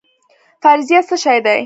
فرضیه څه شی دی؟